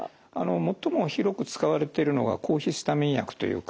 最も広く使われてるのが抗ヒスタミン薬という薬なんです。